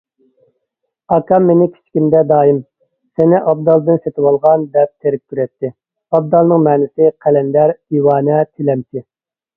ئاكام مېنى كىچىكىمدە دائىم «سېنى ئابدالدىن سېتىۋالغان» دەپ تېرىكتۈرەتتى. ئابدالنىڭ مەنىسى: قەلەندەر، دىۋانە، تىلەمچى.